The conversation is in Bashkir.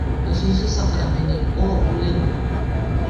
ӨСӨНСӨ Саҡырам һине, о, Үлем!..